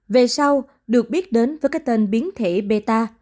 về sau được biết đến với cái tên biến thể bea